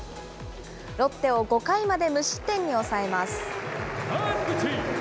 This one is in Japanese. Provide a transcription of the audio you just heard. ロッテを５回まで無失点に抑えます。